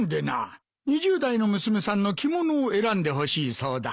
２０代の娘さんの着物を選んでほしいそうだ。